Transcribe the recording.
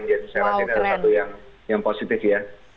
jadi saya rasa ini adalah satu yang positif ya